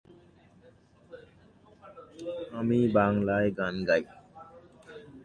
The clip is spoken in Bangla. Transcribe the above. এই কেন্দ্রটি এর আগে বিদ্যমান ছিল না।